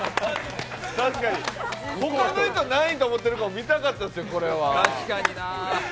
ほかの人、何位と思ってるかも見たかったですよ、これは。